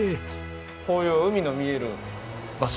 こういう海の見える場所ですね。